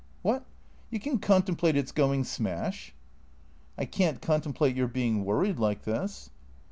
" What ? You can contemplate it 's going smash ?"" I can't contemplate your being worried like this."